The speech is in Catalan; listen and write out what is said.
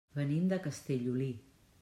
Venim de Castellolí.